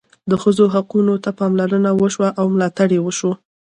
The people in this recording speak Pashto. د ښځو حقوقو ته پاملرنه وشوه او ملاتړ یې وشو.